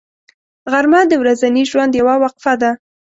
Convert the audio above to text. غرمه د ورځني ژوند یوه وقفه ده